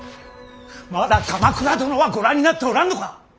まだ鎌倉殿は御覧になっておらんのか！